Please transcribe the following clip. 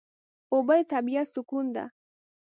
اوبه د طبیعت سکون ده.